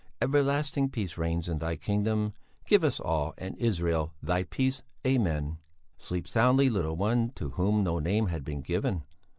Everlasting peace reigns in Thy kingdom. Give us and all Israel Thy peace. Amen. "Sleep soundly, little one, to whom no name had been given.